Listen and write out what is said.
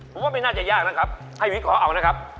ผมว่าไม่น่าจะยากนะครับให้วิเคราะห์เอานะครับ